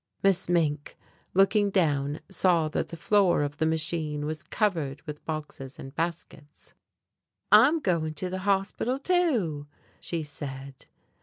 Miss Mink, looking down, saw that the floor of the machine was covered with boxes and baskets. "I'm going to the Hospital, too," she said.